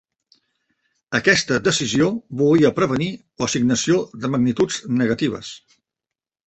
Aquesta decisió volia prevenir l'assignació de magnituds negatives.